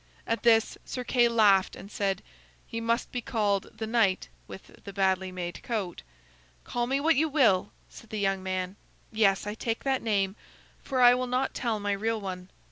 At this Sir Kay laughed and said: "He must be called The Knight with the Badly Made Coat." "Call me what you will," said the young man. "Yes, I take that name, for I will not tell my real one."